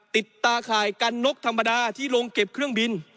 ติดตาข่ายกันนกธรรมดาที่โรงเก็บเครื่องบิน